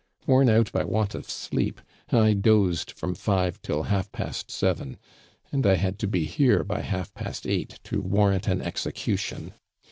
Worn out by want of sleep, I dozed from five till half past seven, and I had to be here by half past eight to warrant an execution.